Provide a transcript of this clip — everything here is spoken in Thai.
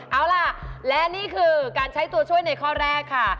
เอาล่ะและนี่คือการใช้ตัวช่วยในข้อแรกค่ะ